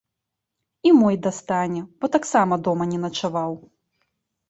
І мой дастане, бо таксама дома не начаваў.